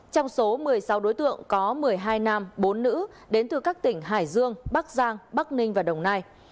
trong số một mươi sáu đối tượng có một mươi hai nam bốn nữ đến từ các tỉnh hải dương bắc giang bắc ninh và đồng nai